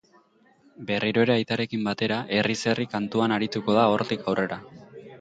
Berriro ere aitarekin batera herriz-herri kantuan arituko da hortik aurrera.